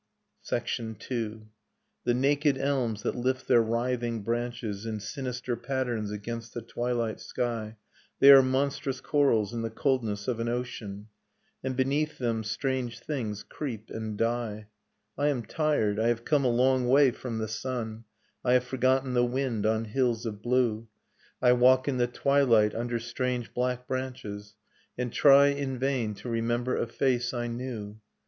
Nocturne of Remembered Spring II. The naked elms that lift their writhing branches In sinister patterns against the twihght sky, They are monstrous corals in the coldness of an ocean ; And beneath them strange things creep and die. I am tired, I have come a long way from the sun, I have forgotten the wind on hills of blue. I walk in the twilight, under strange black branches. And try in vain to remember a face I knew.